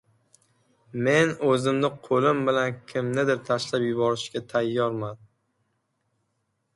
Men o'zimni qo'lim bilan kimnidir tashlab yuborishga tayyorman...